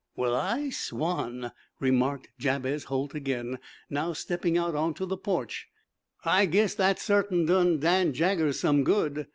"Well, I swan!" remarked Jabez Holt again, now stepping out onto the porch. "I guess that sartain done Dan Jaggers some good.